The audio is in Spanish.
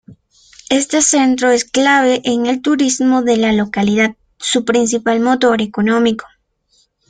Este centro es clave en el turismo de la localidad, su principal motor económico.